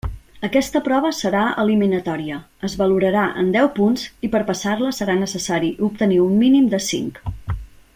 Aquesta prova serà eliminatòria, es valorarà en deu punts i per passar-la serà necessari obtenir un mínim de cinc.